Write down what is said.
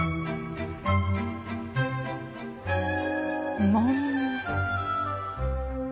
うまい。